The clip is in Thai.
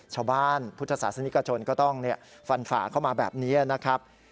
พุทธศาสนิกชนก็ต้องฟันฝ่าเข้ามาแบบนี้นะครับ